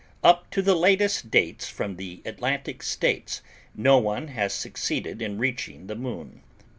Up to the latest dates from the Atlantic States, no one has succeeded in reaching the Moon.